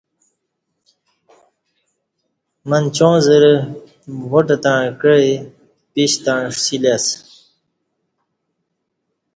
منچا زرہ واٹ تݩع کعی پِیش تݩع ݜِلی اسہ